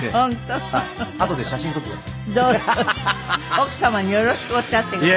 奥様によろしくおっしゃってください。